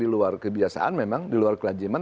ini kan kebiasaan memang di luar kelajeman